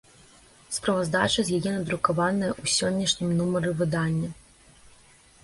Справаздача з яе надрукаваная ў сённяшнім нумары выдання.